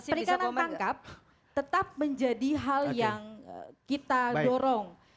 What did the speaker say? perikanan tangkap tetap menjadi hal yang kita dorong